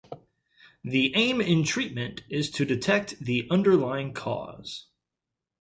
The aim in treatment is to detect the underlying cause.